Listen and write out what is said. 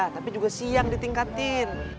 tapi juga siang ditingkatin